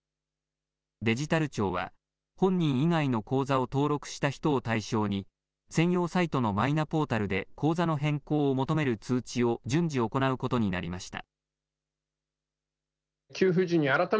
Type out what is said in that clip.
デジタル庁は本人以外の口座を登録した人を対象に専用サイトのマイナポータルで口座の変更を求める通知を順次行うことになりました。